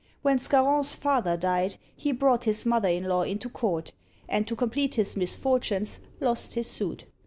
When Scarron's father died, he brought his mother in law into court; and, to complete his misfortunes, lost his suit.